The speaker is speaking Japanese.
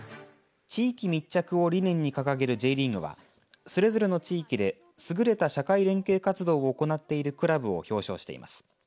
地域密着を理念に掲げるＪリーグはそれぞれの地域で優れた社会連携活動を行っているクラブを表彰しています。